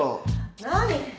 何？